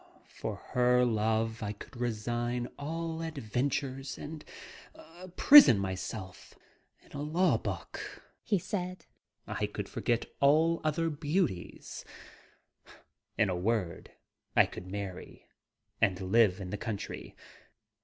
"For her love I could resign all adventures and prison myself in a law book," he said, "I could forget all other beauties; in a word, I could marry, and live in the country.